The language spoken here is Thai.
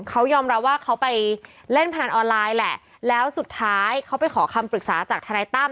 เขายอมรับว่าเขาไปเล่นพนันออนไลน์แหละแล้วสุดท้ายเขาไปขอคำปรึกษาจากทนายตั้ม